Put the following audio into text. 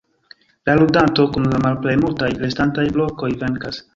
La ludanto kun la malplej multaj restantaj blokoj venkas.